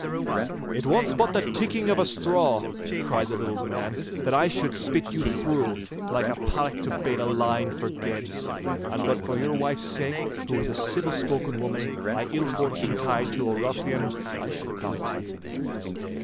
'It wants but the tickling of a straw,' cried the little man, 'that I should spit you through, like a paddock to bait a line for geds. And but for your wife's sake, who is a civil spoken woman by ill fortune tied to a ruffian, I should do it.